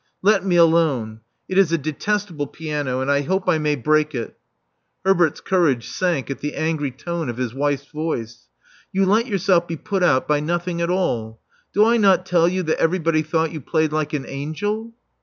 "Let me alone. It is a detestable piano: and I hope I may break it." Herbert's courage sank at the angry tone of his wife's voice. "You let yourself be put out by nothing at all. Do I not tell you that everybody thought you played like an angel?"